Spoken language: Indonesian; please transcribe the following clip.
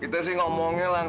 tuh aku denger